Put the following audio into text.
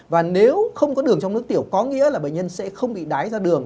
và nếu không có đường trong nước tiểu có nghĩa là bệnh nhân sẽ không bị đái ra đường